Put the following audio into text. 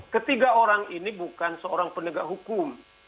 ketiga orang ini bukan seorang penegak hukum